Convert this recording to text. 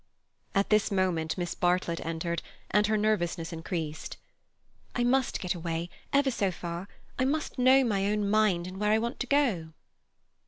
At this moment Miss Bartlett entered, and her nervousness increased. "I must get away, ever so far. I must know my own mind and where I want to go."